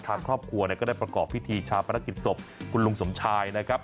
ชาติครอบครัวก็ได้ประกอบพิธีชาติภารกิจศพคุณลุงสมชายนะครับ